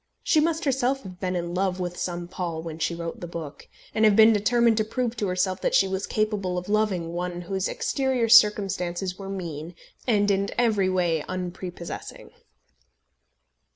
She must herself have been in love with some Paul when she wrote the book, and have been determined to prove to herself that she was capable of loving one whose exterior circumstances were mean and in every way unprepossessing.